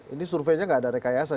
ini surveinya gak ada rekayasa